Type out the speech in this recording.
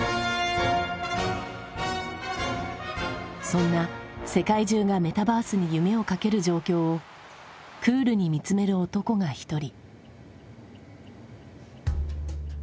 そんな世界中がメタバースに夢を懸ける状況をクールに見つめる男が一人。